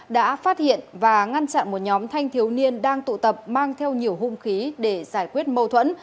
đã phát hiện và ngăn chặn một nhóm thanh thiếu niên đang tụ tập mang theo nhiều hung khí để giải quyết mâu thuẫn